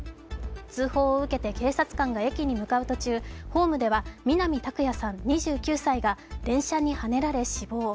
通報を受けて警察官が駅に向かう途中、ホームでは南拓哉さん２９歳が電車にはねられ、死亡。